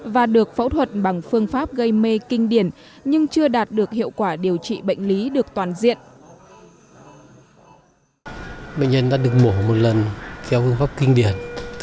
và được phẫu thuật bằng phương pháp gây mê kinh điển nhưng chưa đạt được hiệu quả điều trị bệnh lý được toàn diện